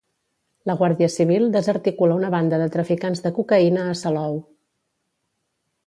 La Guàrdia Civil desarticula una banda de traficants de cocaïna a Salou.